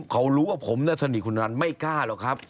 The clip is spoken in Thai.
เขารู้ว่าผมน่ะสนิทคุณนันไม่กล้าหรอกครับ